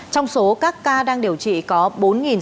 trong số các ca đang điều trị có bốn sáu trăm ba mươi trường hợp nặng